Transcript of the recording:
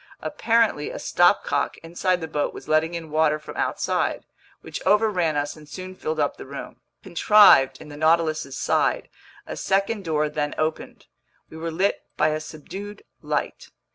Apparently a stopcock inside the boat was letting in water from outside, which overran us and soon filled up the room. Contrived in the Nautilus's side, a second door then opened. We were lit by a subdued light.